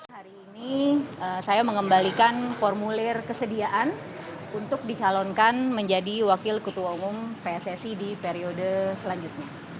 hari ini saya mengembalikan formulir kesediaan untuk dicalonkan menjadi wakil ketua umum pssi di periode selanjutnya